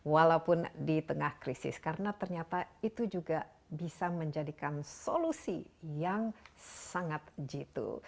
walaupun di tengah krisis karena ternyata itu juga bisa menjadikan solusi yang sangat jitu